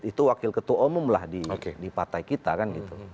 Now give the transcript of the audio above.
itu wakil ketua umum lah di partai kita kan gitu